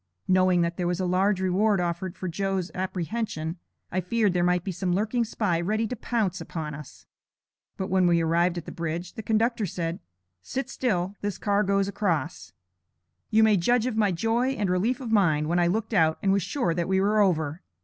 Knowing that there was a large reward offered for Joe's apprehension, I feared there might be some lurking spy ready to pounce upon us. But when we arrived at the Bridge, the conductor said: 'Sit still; this car goes across.' You may judge of my joy and relief of mind, when I looked out and was sure that we were over!